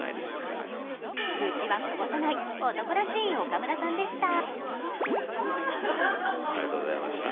愚痴はこぼさない男らしい岡村さんでした。